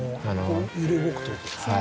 揺れ動くということですか。